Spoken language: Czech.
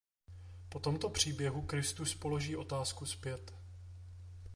Po tomto příběhu Kristus položí otázku zpět.